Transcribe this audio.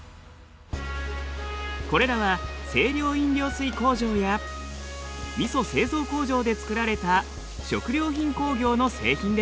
これらは清涼飲料水工場やみそ製造工場で作られた食料品工業の製品です。